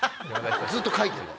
ずっと書いてんの。